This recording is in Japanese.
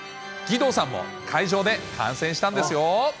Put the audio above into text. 義堂さんも会場で観戦したんですよ。